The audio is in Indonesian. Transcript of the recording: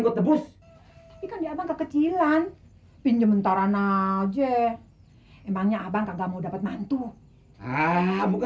gotebus ikan di abang kekecilan pinjem mentara naje emangnya abang nggak mau dapat mantu ah buka